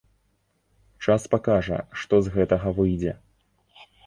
Час пакажа, што з гэтага выйдзе.